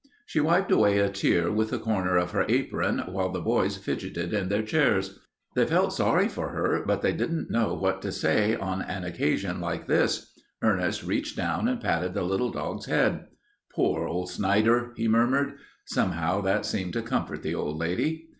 She wiped away a tear with the corner of her apron while the boys fidgeted in their chairs. They felt sorry for her, but they didn't know what to say on an occasion like this. Ernest reached down and patted the little dog's head. "Poor old Snider," he murmured. Somehow that seemed to comfort the old lady.